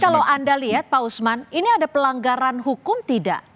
kalau anda lihat pak usman ini ada pelanggaran hukum tidak